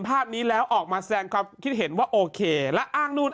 ภาพนี้แล้วออกมาแสดงความคิดเห็นว่าโอเคและอ้างนู่น